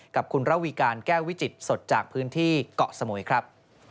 กับคุณระวีการแก้ววิจิตสดจากพื้นที่เกาะสมุยครับ